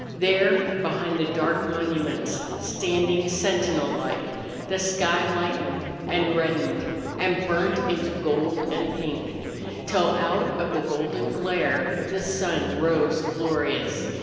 There, behind the dark monuments, standing sentinel like, the sky lightened and reddened and burnt into gold and pink, till out of the golden glare the sun rose glorious.